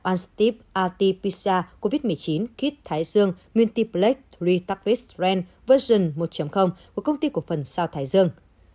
osteep rt pisa covid một mươi chín kit thái dương multiplex ba tabletstrand version một của công ty cộng phần sao thái dương